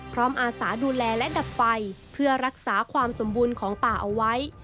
อาสาดูแลและดับไฟเพื่อรักษาความสมบูรณ์ของป่าเอาไว้